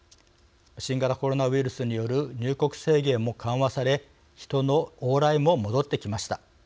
新型コロナウイルスによる入国制限も緩和され人の往来も戻ってきました。